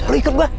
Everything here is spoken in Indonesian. lu ikut gua